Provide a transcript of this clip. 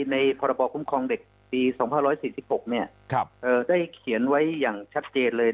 พรบคุ้มครองเด็กปี๒๕๔๖ได้เขียนไว้อย่างชัดเจนเลย